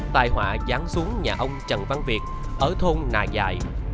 tài họa dán xuống nhà ông trần văn việt ở thôn nà dại